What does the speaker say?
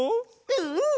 うん！